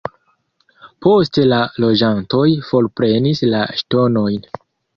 Poste la loĝantoj forprenis la ŝtonojn.